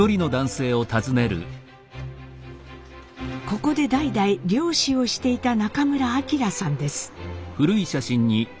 ここで代々漁師をしていた中村明さんです。